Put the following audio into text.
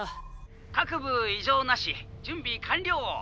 各部異常なし準備完了！